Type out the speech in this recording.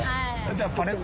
じゃあ。